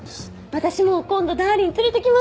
私も今度ダーリン連れてきます。